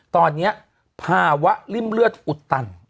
ตอนนี้ภาวะริ่มเลือดอุดตัน